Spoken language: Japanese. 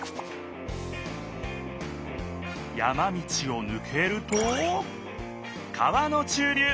山道をぬけると川の中流。